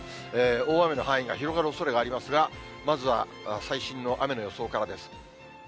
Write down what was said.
大雨の範囲が広がるおそれがありますが、まずは最新の雨の予想からです。